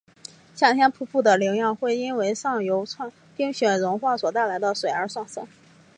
夏天瀑布的流量会因上游冰川融雪所带来的水而上升。